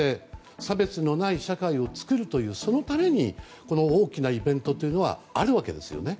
差別のない社会を作るというためにこの大きなイベントはあるわけですよね。